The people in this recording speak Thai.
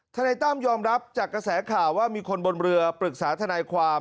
นายตั้มยอมรับจากกระแสข่าวว่ามีคนบนเรือปรึกษาทนายความ